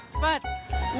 ya udah kang